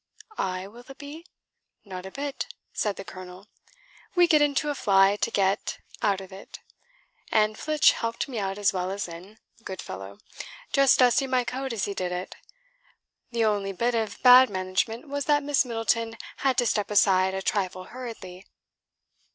"I, Willoughby? not a bit," said the colonel; "we get into a fly to get, out of it; and Flitch helped me out as well as in, good fellow; just dusting my coat as he did it. The only bit of bad management was that Miss Middleton had to step aside a trifle hurriedly."